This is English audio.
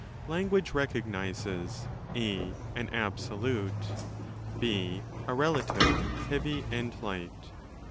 Language recognizes (4) an absolute, (4) a relative heavy ~ and light.